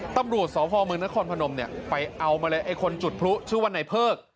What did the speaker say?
ตำรวจสพมนครพนมเนี่ยไปเอามาเลยไอ้คนจุดพลุชื่อว่านายเพิก